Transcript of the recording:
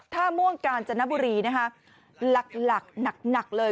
ท่าม่วงกาลจันทร์บุรีนะคะหลักหลักหนักหนักเลย